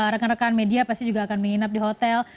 rekan rekan media pasti juga akan menginap di hotel